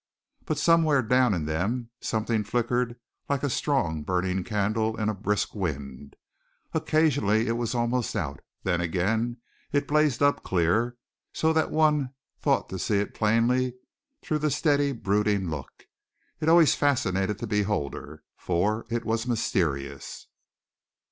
But somewhere down in them something flickered like a strong burning candle in a brisk wind. Occasionally it was almost out; then again it blazed up clear, so that one thought to see it plainly through the steady brooding look. It always fascinated the beholder, for it was mysterious.